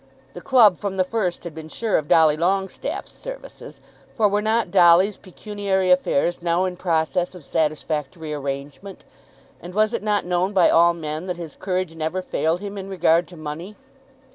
The club from the first had been sure of Dolly Longestaffe's services; for were not Dolly's pecuniary affairs now in process of satisfactory arrangement, and was it not known by all men that his courage never failed him in regard to money?